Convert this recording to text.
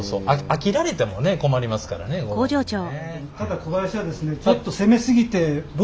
飽きられてもね困りますからね子どもにね。